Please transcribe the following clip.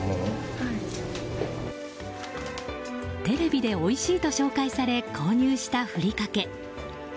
テレビでおいしいと紹介され購入した、ふりかけ。